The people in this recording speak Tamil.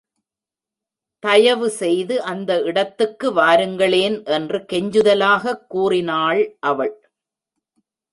தயவு செய்து அந்த இடத்துக்கு வாருங்களேன் என்று கெஞ்சுதலாகக் கூறினாள் அவள்.